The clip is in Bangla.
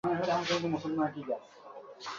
তোমাকে হয়তো আর দেখতে পাব না।